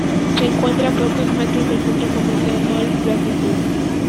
Se encuentra a pocos metros del Centro Comercial Mall Plaza Sur.